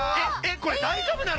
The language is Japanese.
これ大丈夫なの？